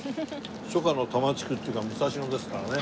初夏の多摩地区っていうか武蔵野ですからね。